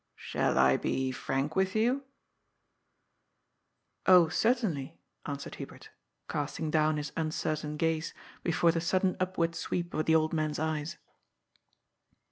" Shall I be frank with you ?"" Oh, certainly," answered Hubert, casting down his un certain gaze before the sudden upward sweep of the old man's eyes.